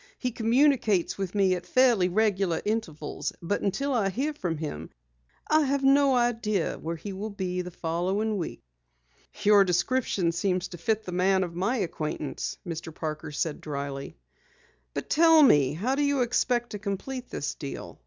He communicates with me at fairly regular intervals, but until I hear from him, I have no idea where he will be the following week." "Your description seems to fit the man of my acquaintance," Mr. Parker said dryly. "But tell me, how do you expect to complete this deal?